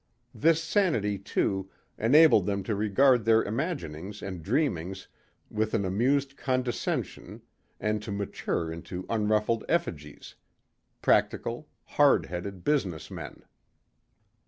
This sanity, too, enabled them to regard their imaginings and dreamings with an amused condescension and to mature into unruffled effigies practical, hard headed business men.